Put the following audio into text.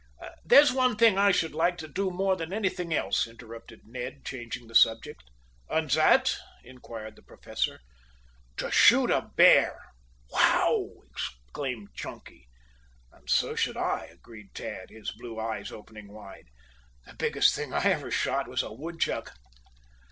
"There's one thing I should like to do more than anything else," interrupted Ned, changing the subject. "And that?" inquired the Professor. "To shoot a bear." "Wow!" exclaimed Chunky. "And so should I," agreed Tad, his blue eyes opening wide. "The biggest thing I ever shot was a woodchuck."